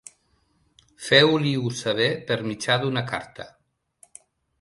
Feu-li-ho saber per mitjà d'una carta.